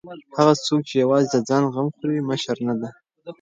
هغه څوک چې یوازې د ځان غم خوري مشر نه دی.